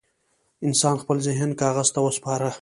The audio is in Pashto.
انسان خپل ذهن کاغذ ته وسپاره.